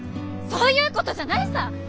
そういうことじゃないさぁ！